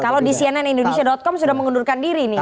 kalau di cnnindonesia com sudah mengundurkan diri nih